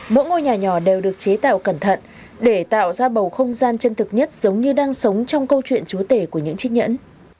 mỗi ngôi nhà nhỏ đều được chế tạo cẩn thận để tạo ra bầu không gian chân thực nhất giống như đang sống trong câu chuyện chúa tể của những chiếc nhẫn